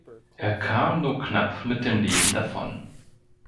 Er kam nur knapp mit dem Leben davon.